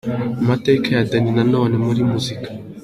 Amateka ya Danny Nanone muri muzika.